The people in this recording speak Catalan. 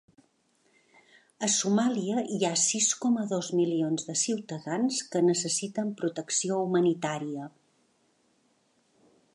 A Somàlia hi ha sis coma dos milions de ciutadans que necessiten protecció humanitària.